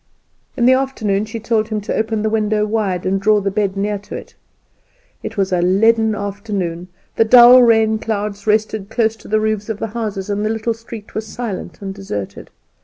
In the afternoon she told him to open the window wide, and draw the bed near it. It was a leaden afternoon, the dull rain clouds rested close to the roofs of the houses, and the little street was silent and deserted.